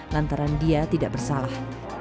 lantaran dia tidak bersalah